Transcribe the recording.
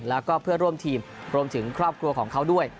แล้วก็เพื่อร่วมทีมรวมถึงครอบครัวของเขาด้วย